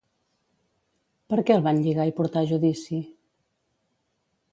Per què el van lligar i portar a judici?